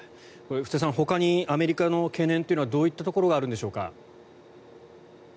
布施さん、ほかにアメリカの懸念というのはどういったところがあるのでしょうか。